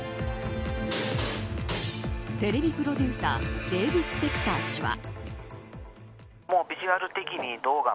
テレビプロデューサーデーブ・スペクター氏は。